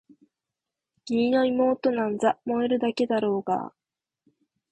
義理の妹なんざ萌えるだけだろうがあ！